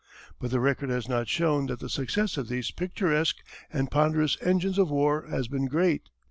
But the record has not shown that the success of these picturesque and ponderous engines of war has been great.